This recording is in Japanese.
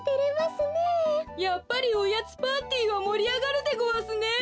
やっぱりおやつパーティーはもりあがるでごわすね！